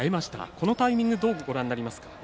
このタイミングどうご覧になりますか。